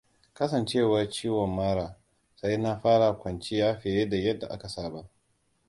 Kasancewar ciwon mara, sai na fara kwanciya fiye da yadda aka saba.